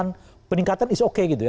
nah peningkatan is oke gitu ya